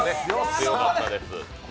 強かったです。